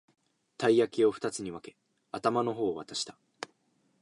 たい焼きをふたつに分け、頭の方を渡した